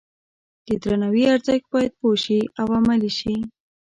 د درناوي ارزښت باید پوه شي او عملي شي.